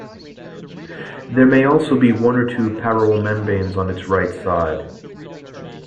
There may also be one or two paroral membranes on its right side.